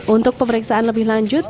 untuk pemeriksaan lebih lanjut